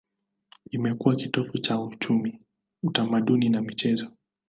Imekuwa kitovu cha uchumi, utamaduni na michezo.